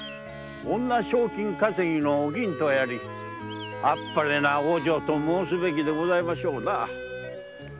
女賞金稼ぎのお銀とやら天晴な往生と申すべきでございましょうな。